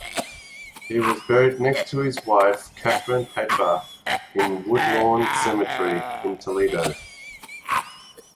He was buried next to his wife Katherin Hafer in Woodlawn Cemetery in Toledo.